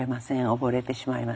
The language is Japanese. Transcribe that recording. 溺れてしまいます。